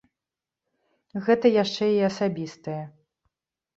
Гэта яшчэ і асабістае.